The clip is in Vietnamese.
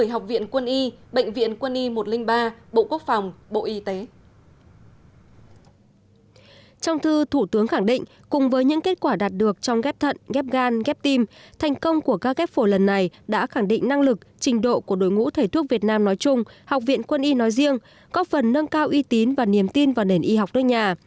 học viện quân y nói riêng góp phần nâng cao y tín và niềm tin vào nền y học đôi nhà